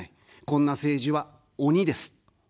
こんな政治は鬼です。